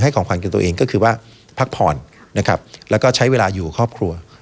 ของขวัญกับตัวเองก็คือว่าพักผ่อนนะครับแล้วก็ใช้เวลาอยู่ครอบครัว